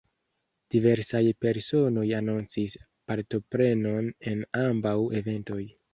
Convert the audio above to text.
Diversaj personoj anoncis partoprenon en ambaŭ eventoj.